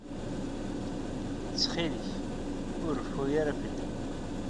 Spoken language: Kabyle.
Ttxil-k, ur reffu ara fell-i.